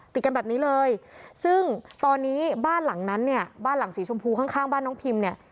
ติดกันแบบนี้เลยซึ่งตอนนี้บ้านหลังนั้นเนี่ยบ้านหลังสีชมพูข้างข้างบ้านน้องพิมเนี่ย